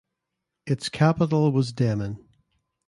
Its capital was Demmin.